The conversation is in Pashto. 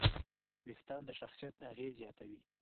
وېښتيان د شخصیت اغېز زیاتوي.